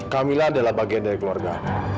kamila adalah bagian dari keluarga